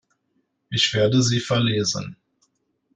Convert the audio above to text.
Ich werde sie verlesen.